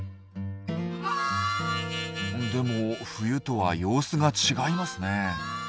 でも冬とは様子が違いますね。